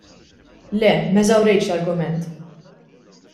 Le m'eżawrejtx l-argument.